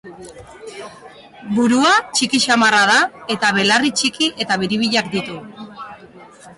Burua txiki samarra da eta belarri txiki eta biribilak ditu.